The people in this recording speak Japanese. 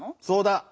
そうだ。